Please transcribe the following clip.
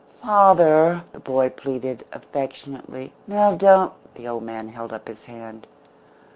"Father," the boy pleaded, affectionately, "now don't " The old man held up his hand.